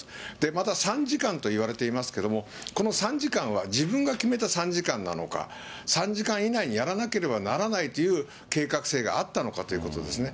また３時間といわれていますけども、この３時間は、自分が決めた３時間なのか、３時間以内にやらなければならないという計画性があったのかということですね。